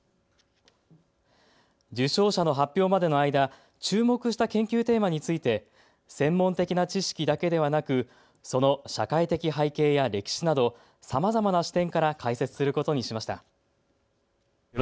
受賞者の発表までの間注目した研究テーマについて専門的な知識だけではなくその社会的背景や歴史などさまざまな視点から解説することにしました。